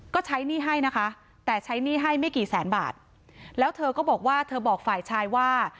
ก็ใช้หนี้ให้นะคะแต่ใช้หนี้ให้ไม่กี่แสนบาทแล้วเธอก็บอกว่าเธอบอกฝ่ายชายว่า